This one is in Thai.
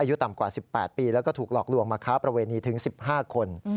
อายุต่ำกว่า๑๘ปีแล้วก็ถูกหลอกลวงมาค้าประเวณีถึง๑๕คน